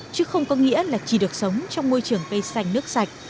chứ không có nghĩa là chỉ được sống trong môi trường cây xanh nước sạch